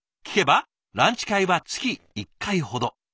聞けばランチ会は月１回ほど。